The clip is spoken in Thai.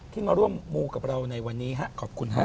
ที่มาร่วมมูกับเราในวันนี้ฮะขอบคุณฮะ